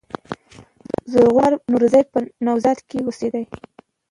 زرغون خان نورزي په "نوزاد" کښي اوسېدﺉ.